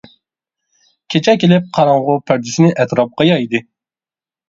كېچە كېلىپ قاراڭغۇ پەردىسىنى ئەتراپقا يايدى.